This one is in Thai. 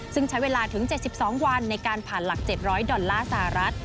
ซึ่งใช้เวลาถึง๗๒วันในการผ่านหลัก๗๐๐ดอลลาร์สหรัฐ